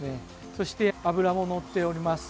そして、脂ものっております。